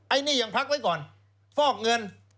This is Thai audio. อันนี้ยังพักไว้ก่อนฟอกเงิน